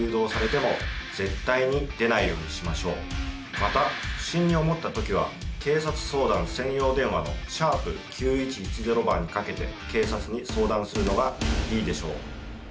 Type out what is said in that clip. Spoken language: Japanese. また不審に思った時は警察相談専用電話の。にかけて警察に相談するのがいいでしょう。